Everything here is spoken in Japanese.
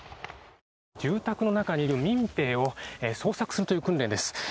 住宅の中にいる民兵を捜索するという訓練です。